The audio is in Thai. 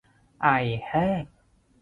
ไอแห้ง